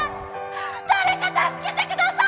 誰か助けてください！